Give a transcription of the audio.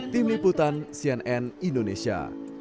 tim liputan cnn indonesia